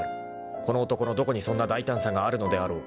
［この男のどこにそんな大胆さがあるのであろう］